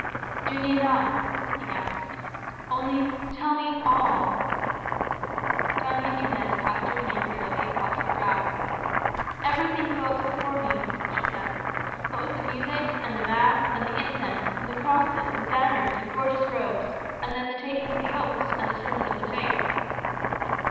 "You need not," he gasped. "Only tell me all." Doña Inez passed her hand wearily across her brow. "Everything floats before me," she said. "What with the music, and the mass, and the incense; and the crosses, and banners, and gorgeous robes; and then the taking of the oaths, and the sermon of the faith."